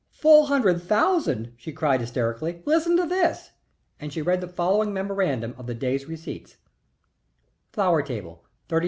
"Full hundred thousand?" she cried, hysterically. "Listen to this." And she read the following memorandum of the day's receipts: Flower Table $36,000.